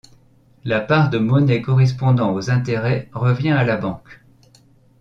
La part de monnaie correspondant aux intérêts revient à la banque.